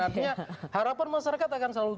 artinya harapan masyarakat akan selalu